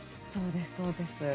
そうですそうです。